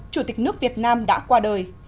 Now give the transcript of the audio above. chủ tịch nước việt nam đã qua đời